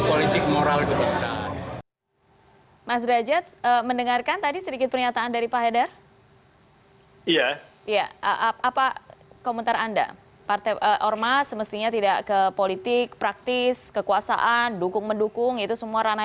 politik moral kebijakan